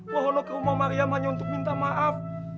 mohonlah ke rumah mariam hanya untuk minta maaf